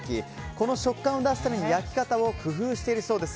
この食感を出すために焼き方を工夫しているそうです。